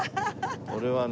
俺はね